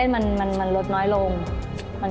ให้หันไปทางอื่น